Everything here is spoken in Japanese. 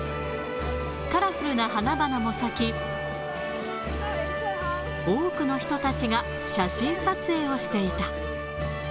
カラフルな花々も咲き、多くの人たちが写真撮影をしていた。